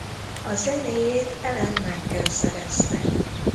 A zenéjét Alan Menken szerezte.